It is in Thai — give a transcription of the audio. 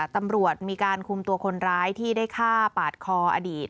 ตำรวจมีการคุมตัวคนร้ายที่ได้ฆ่าปาดคออดีต